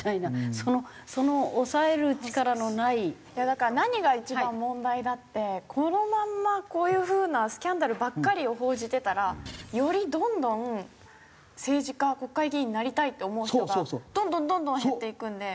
だから何が一番問題だってこのまんまこういう風なスキャンダルばっかりを報じてたらよりどんどん政治家国会議員になりたいって思う人がどんどんどんどん減っていくんで。